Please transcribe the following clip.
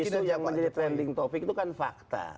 isu yang menjadi trending topic itu kan fakta